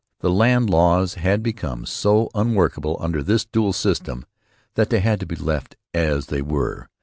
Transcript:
The land laws had become so unworkable under this dual system that they had to be left as they were.